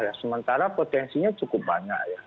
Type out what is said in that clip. ya sementara potensinya cukup banyak ya